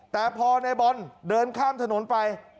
แต่พอในบอลเดินข้ามถนนไป